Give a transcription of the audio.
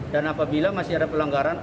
dan apabila masih ada pelanggaran